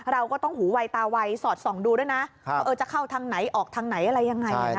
เราก็ต้องหูวัยตาวัยสอดส่องดูด้วยนะว่าจะเข้าทางไหนออกทางไหนอะไรยังไง